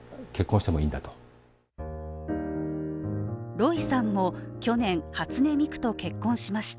ロイさんも去年、初音ミクと結婚しました。